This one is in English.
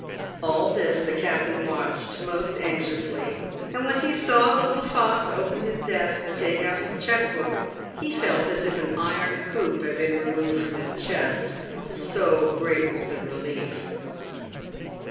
All this the captain watched most anxiously, and when he saw the little fox open his desk and take out his cheque book, he felt as if an iron hoop had been removed from his chest, so great was the relief.